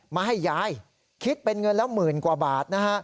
มาให้ยายคิดเป็นเงินแล้วหมื่นกว่าบาทนะฮะ